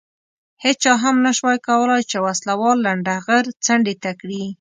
هېچا هم نه شوای کولای چې وسله وال لنډه غر څنډې ته کړي.